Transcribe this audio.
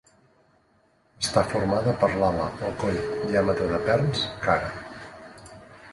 Està formada per l'ala, el coll, diàmetre de perns, cara.